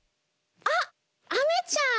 あっアメちゃん！